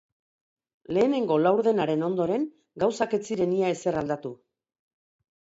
Lehenengo laurdenaren ondoren, gauzak ez ziren ia ezer aldatu.